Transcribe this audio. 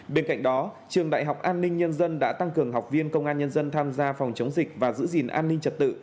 bên cạnh đó trường đại học an ninh nhân dân đã tăng cường học viên công an nhân dân tham gia phòng chống dịch và giữ gìn an ninh trật tự